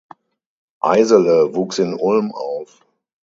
Eisele wuchs in Ulm auf.